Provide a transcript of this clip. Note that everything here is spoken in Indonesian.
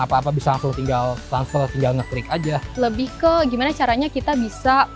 apa apa bisa langsung tinggal sensel tinggal ngeklik aja lebih ke gimana caranya kita bisa